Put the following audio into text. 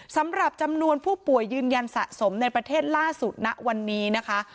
สำหรับจำนวนผู้ป่วยยืนยันสะสมในประเทศล่าสุดณวันนี้นะคะ